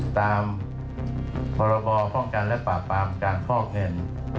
ตามพรบป้องกันและปราบปรามการฟอกเงิน